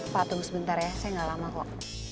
pak tunggu sebentar ya saya gak lama kok